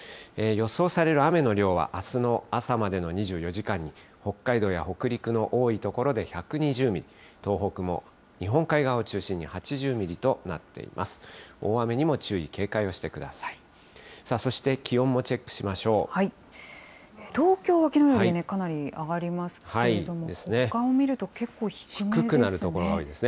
予想される雨の量は、あすの朝までの２４時間に、北海道や北陸の多い所で１２０ミリ、東北も日本海側を中心に８０ミリとなっています。